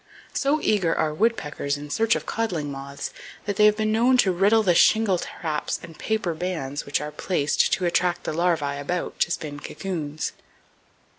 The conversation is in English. "So eager are woodpeckers in search, of codling moths that they have often been known to riddle the shingle traps and paper bands which are placed to attract the larvae about to spin cocoons."